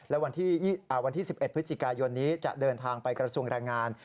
และวันที่๑๑พฤศจิกายนนี้จะเดินทางไปกระทรวงแรงงาน